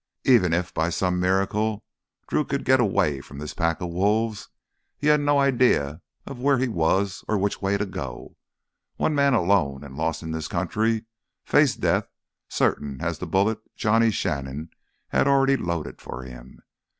Even if, by some miracle, Drew could get away from this pack of wolves, he had no idea of where he was or which way to go. One man alone and lost in this country faced death as certain as the bullet Johnny Shannon had already loaded for him.